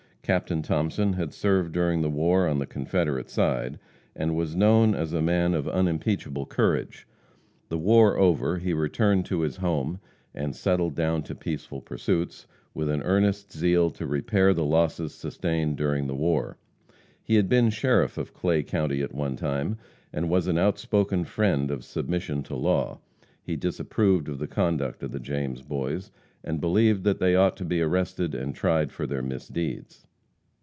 Captain Thomason had served during the war on the Confederate side, and was known as a man of unimpeachable courage. The war over, he returned to his home, and settled down to peaceful pursuits, with an earnest zeal to repair the losses sustained during the war. He had been sheriff of Clay county at one time, and was an outspoken friend of submission to law. He disapproved of the conduct of the James boys, and believed that they ought to be arrested and tried for their misdeeds.